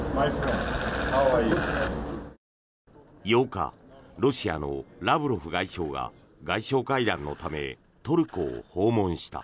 ８日、ロシアのラブロフ外相が外相会談のためトルコを訪問した。